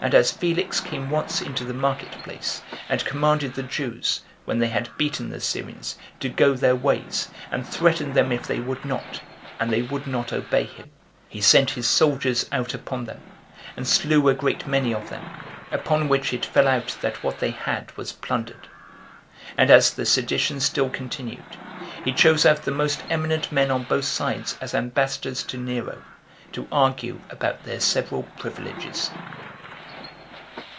And as Felix came once into the market place, and commanded the Jews, when they had beaten the Syrians, to go their ways, and threatened them if they would not, and they would not obey him, he sent his soldiers out upon them, and slew a great many of them, upon which it fell out that what they had was plundered. And as the sedition still continued, he chose out the most eminent men on both sides as ambassadors to Nero, to argue about their several privileges.